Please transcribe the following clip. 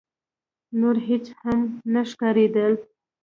نور هيڅ هم نه ښکارېدل.